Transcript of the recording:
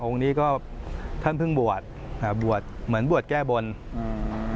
นี้ก็ท่านเพิ่งบวชอ่าบวชเหมือนบวชแก้บนอืม